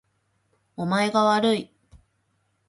お前がわるい